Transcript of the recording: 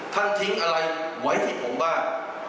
ท่านทิ้งอะไรไว้ที่ผมบ้าน